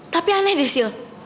tapi aneh deh sil